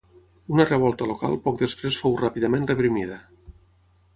Una revolta local poc després fou ràpidament reprimida.